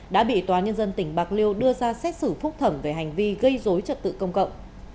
đã bị tòa nhân dân tỉnh bạc liêu đưa ra xét xử phúc thẩm về hành vi gây dối trật tự công cộng